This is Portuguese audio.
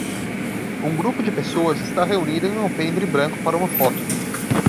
Um grupo de pessoas está reunido em um alpendre branco para uma foto.